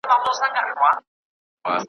له سره لمر او له ګرمۍ به کړېدله .